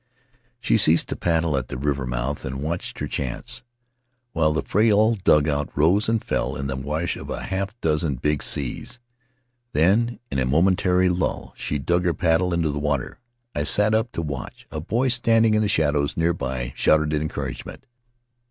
She ceased to paddle at the river mouth and watched her chance, while the frail dugout rose and fell in the wash of half a dozen big seas. Then in a momentary lull she dug her paddle into the water. I sat up to watch; a boy standing in the shallows near by shouted encouragement.